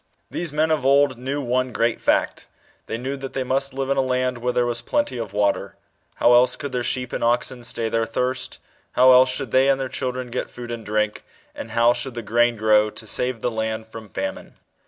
These men of old, knew one great fact. They knew that they must live in a land, where there was plenty of water. How else could their sheep and oxen stay their thirst? how else should they and their children get food and drink ? and how should the grain grow to save the land from famine